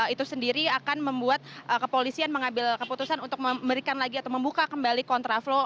itu sendiri akan membuat kepolisian mengambil keputusan untuk memberikan lagi atau membuka kembali kontraflow